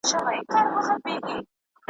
دا یوه خبره واورۍ مسافرو .